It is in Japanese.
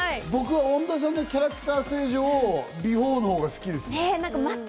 恩田さんのキャラクター上、ビフォーのほうが好きですね。